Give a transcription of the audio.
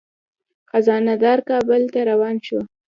خزانه دار کابل ته روان شو.